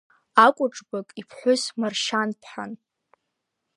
Акәыҿбак иԥҳәыс Маршьанԥҳан.